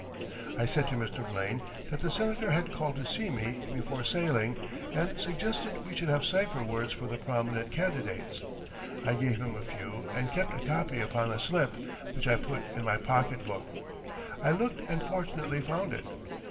I said to Mr. Blaine that the Senator had called to see me before sailing, and suggested we should have cipher words for the prominent candidates. I gave him a few and kept a copy upon a slip, which I put in my pocket book. I looked and fortunately found it.